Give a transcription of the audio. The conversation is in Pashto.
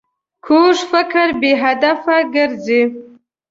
کوږ فکر بې هدفه ګرځي